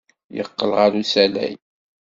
Yeqqel ɣer usalay.